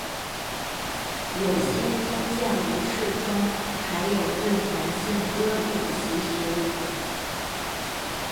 有些宗教仪式中还有对男性割礼的习俗。